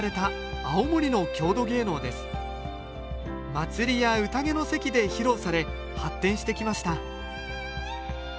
祭りやうたげの席で披露され発展してきました